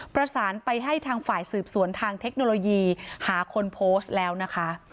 ประสานไปให้ทางฝ่ายสืบสวนทางเทคโนโลยีหาคนโพสต์แล้วนะคะ